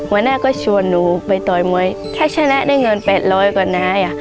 หัวหน้าก็ชวนหนูไปต่อยมวยถ้าชนะได้เงิน๘๐๐กว่านายอ่ะ